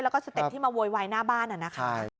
แล้วก็สเต็ปที่มาโวยวายหน้าบ้านนะคะ